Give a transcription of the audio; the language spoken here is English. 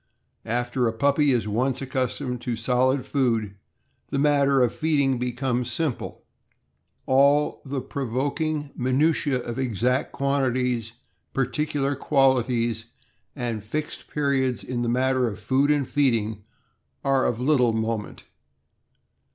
After a puppy is once accustomed to solid food, the matter of feed ing becomes simple. All the provoking minutiae of exact quantities, particular qualities, and fixed periods in the matter of food and feeding are of little moment.